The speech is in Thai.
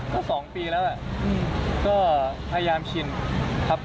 ก็๒ปีแล้วแหละก็พยายามชินครับ